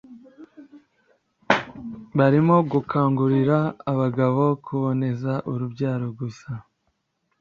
barimu gukangurira abagabo kuboneza urubyaro gusa